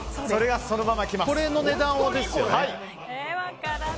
それがそのまま届きます。